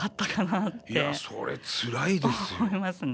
いやそれつらいですよ！